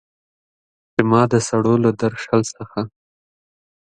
چې ما د سړو له درشل څخه